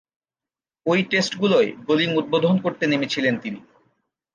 ঐ টেস্টগুলোয় বোলিং উদ্বোধন করতে নেমেছিলেন তিনি।